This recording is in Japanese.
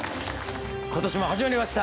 今年も始まりました